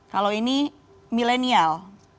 kalau ini milenial